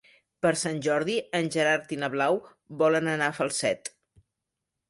Per Sant Jordi en Gerard i na Blau volen anar a Falset.